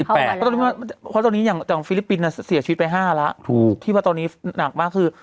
เพราะตอนนี้อย่างฟิลิปปินส์เสียชีวิตไป๕แล้วถูกที่ว่าตอนนี้หนักมากคือ